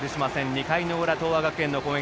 ２回の裏、東亜学園の攻撃。